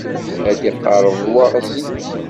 Ad d-iqerreb waɣzen.